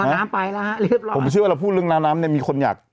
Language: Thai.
น้ำไปแล้วฮะเรียบร้อยผมเชื่อว่าเราพูดเรื่องน้ำเนี่ยมีคนอยาก